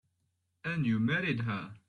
And you married her.